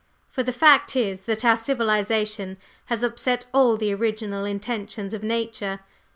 For the fact is that our civilization has upset all the original intentions of nature.